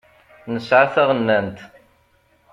Nesεa taɣennant.